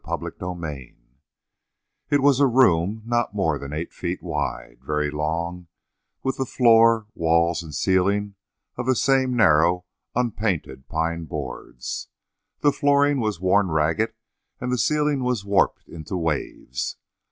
CHAPTER THREE It was a room not more than eight feet wide, very long, with the floor, walls, and ceiling of the same narrow, unpainted pine boards; the flooring was worn ragged and the ceiling warped into waves.